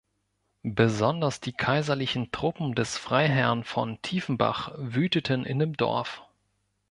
Besonders die kaiserlichen Truppen des Freiherrn von Tiefenbach wüteten in dem Dorf.